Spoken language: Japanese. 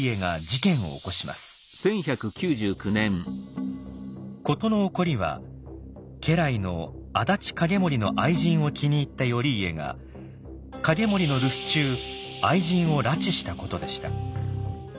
事の起こりは家来の安達景盛の愛人を気に入った頼家が景盛の留守中愛人を拉致したことでした。